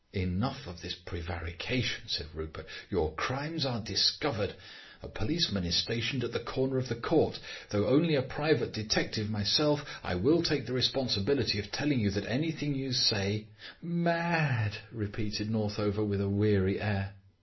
"Enough of this prevarication," said Rupert; "your crimes are discovered. A policeman is stationed at the corner of the court. Though only a private detective myself, I will take the responsibility of telling you that anything you say " "Mad," repeated Northover, with a weary air.